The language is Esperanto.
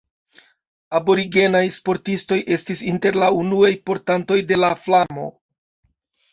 Aborigenaj sportistoj estis inter la unuaj portantoj de la flamo.